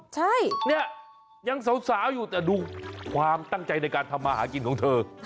ใช่เนี่ยยังสาวอยู่แต่ดูความตั้งใจในการทำมาหากินของเธอ